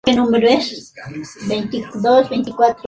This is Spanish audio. En esta misión Fisher voló como especialista de misión.